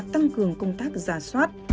tăng cường công tác ra soát